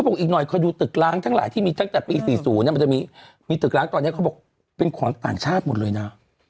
มีตึกล้างตอนเนี้ยเขาบอกเป็นของต่างชาติหมดเลยนะ